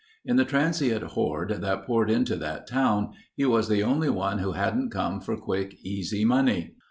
In the transient horde that poured into that town, he was the only one who hadn't come for quick, easy money.